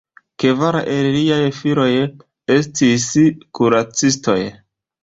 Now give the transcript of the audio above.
Kvar el liaj filoj estis kuracistoj.